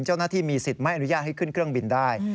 เจ้าหน้าที่มีสิทธิ์ไม่อนุญาตให้ขึ้นเครื่องบินได้